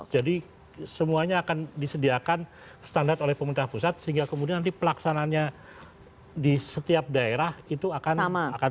jadi semuanya akan disediakan standar oleh pemerintah pusat sehingga kemudian nanti pelaksananya di setiap daerah itu akan sama